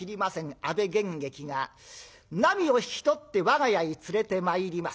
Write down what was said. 阿部玄益がなみを引き取って我が家へ連れてまいります。